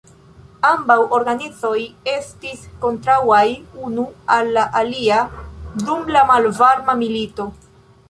Ambaŭ organizoj estis kontraŭaj unu al la alia dum la malvarma milito.